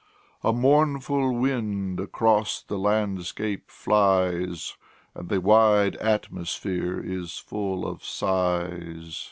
A mournful wind across the landscape flies, And the wide atmosphere is full of sighs.